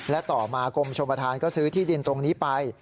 และต่อมากรมชมประธานก็ซื้อที่ดินตรงนี้ไป